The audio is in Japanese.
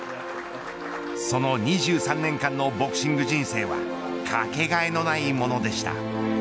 その２３年間のボクシング人生はかけがえのないものでした。